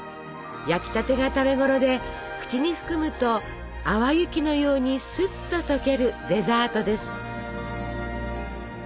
焼きたてが食べごろで口に含むと淡雪のようにすっと溶けるデザートです。